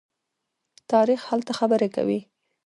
تاریخ هلته خبرې کوي.